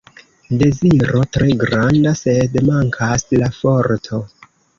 Deziro tre granda, sed mankas la forto.